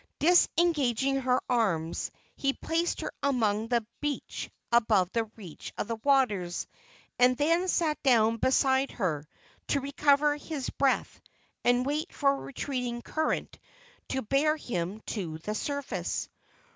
Disengaging her arms, he placed her upon the beach above the reach of the waters, and then sat down beside her to recover his breath and wait for a retreating current to bear him to the surface.